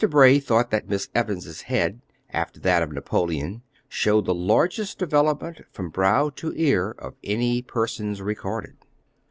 Bray thought that Miss Evans' head, after that of Napoleon, showed the largest development from brow to ear of any person's recorded.